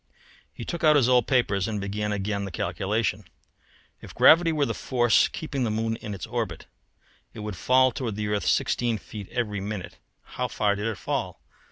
He took out his old papers and began again the calculation. If gravity were the force keeping the moon in its orbit, it would fall toward the earth sixteen feet every minute. How far did it fall?